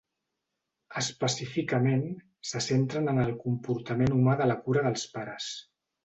Específicament, se centren en el comportament humà de la cura dels pares.